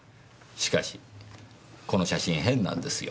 しかしこの写真変なんですよ。